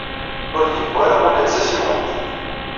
Ur d-yewwi ara ula d tasiwant.